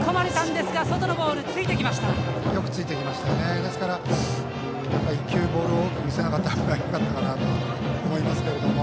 ですから、やっぱり１球ボールを多く見せなかったほうがよかったかなとは思いますけども。